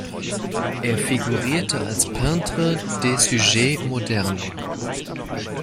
Er figurierte als „Peintre des sujets modernes“.